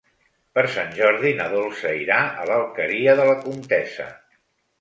Per Sant Jordi na Dolça irà a l'Alqueria de la Comtessa.